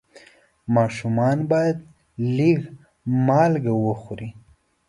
ماشومان باید لږ مالګه وخوري.